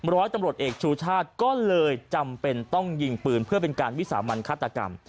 ร้อยตำรวจเอกชูชาติก็เลยจำเป็นต้องยิงปืนเพื่อเป็นการวิสามันฆาตกรรม